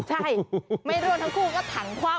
ใช่ไม่ร่วงทั้งคู่ก็ถังคว่ำ